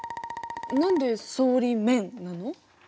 何で層理「面」なの？